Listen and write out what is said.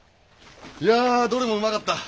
いやどれもうまかった。